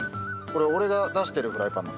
これ俺が出してるフライパン。